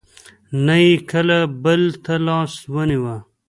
نه یې کله بل ته لاس ونېوه.